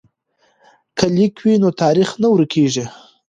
که لیک وي نو تاریخ نه ورکیږي.